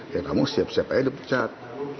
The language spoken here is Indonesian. ya kamu siap siap aja di pecat